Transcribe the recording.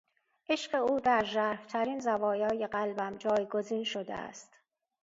عشق او در ژرفترین زوایای قلبم جایگزین شده است.